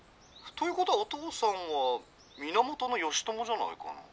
ということはお父さんは源義朝じゃないかな？